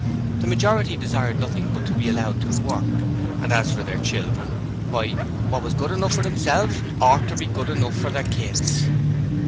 The majority desired nothing but to be allowed to work, and as for their children, why, 'what was good enough for themselves oughter be good enough for the kids'.